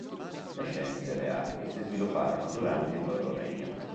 Le scienze e le arti si svilupparono durante il loro regno.